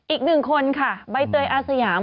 อีกหนึ่งคนค่ะใบเตยอาสยาม